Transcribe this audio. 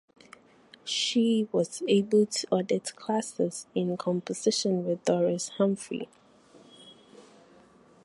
She was able to audit classes in composition with Doris Humphrey.